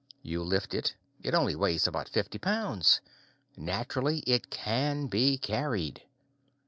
You lift it; it only weighs about fifty pounds! Naturally, it can be carried.